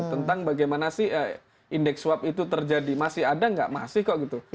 tentang bagaimana sih indeks swab itu terjadi masih ada nggak masih kok gitu